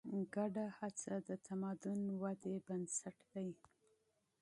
ګډه هڅه د تمدن ودې بنسټ دی.